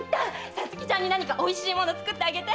皐月ちゃんに何かおいしいもの作ってあげて。